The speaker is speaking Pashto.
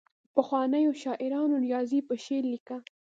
پخوانیو شاعرانو ریاضي په شعر لیکله.